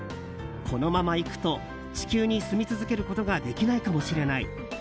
このままいくと地球に住み続けることができないかもしれない。